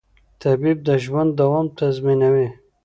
طبیعت د ژوند دوام تضمینوي